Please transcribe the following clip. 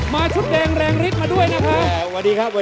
มาชุดแดงแรงฤทธิ์มาด้วยนะคะ